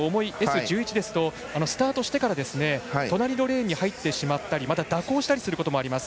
１１のクラスですとスタートしてから隣のレーンに入ってしまったり蛇行することもあります。